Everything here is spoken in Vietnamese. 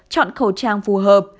chọn khẩu trang phù hợp